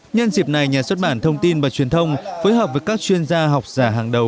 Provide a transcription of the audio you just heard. nhân dịp này nhà xuất bản thông tin và truyền thông phối hợp với các chuyên gia học giả hàng đầu